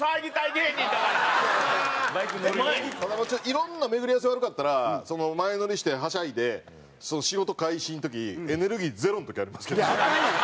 いろんな巡り合わせ悪かったら前乗りしてはしゃいで仕事開始の時エネルギーゼロの時ありますけどね。